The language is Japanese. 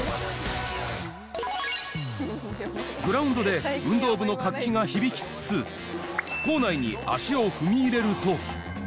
グラウンドで、運動部の活気が響きつつ、校内に足を踏み入れると。